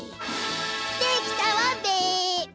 できたわべ。